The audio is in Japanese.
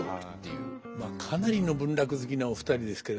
かなりの文楽好きなお二人ですけれども。